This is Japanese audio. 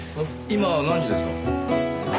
今何時ですか？